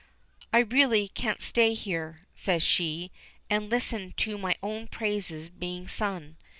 "I really can't stay here," says she, "and listen to my own praises being sung.